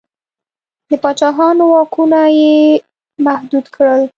د پاچاهانو واکونه یې محدود کړل.